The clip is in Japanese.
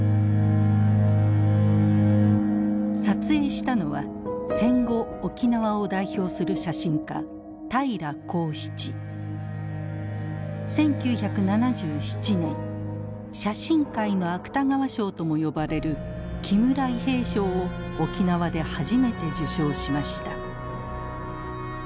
撮影したのは戦後沖縄を代表する写真家１９７７年写真界の芥川賞とも呼ばれる木村伊兵衛賞を沖縄で初めて受賞しました。